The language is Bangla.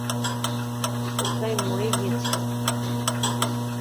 ও প্রায় মরেই গিয়েছিল।